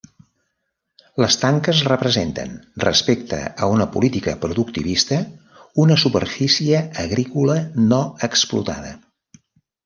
Les tanques representen, respecte a una política productivista, una superfície agrícola no explotada.